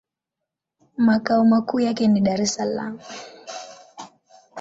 Makao makuu yake ni Dar-es-Salaam.